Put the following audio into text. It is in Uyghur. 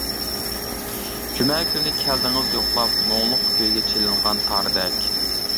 جۈمە كۈنى كەلدىڭىز يوقلاپ، مۇڭلۇق كۈيگە چېلىنغان تاردەك.